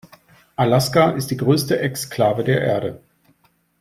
Alaska ist die größte Exklave der Erde.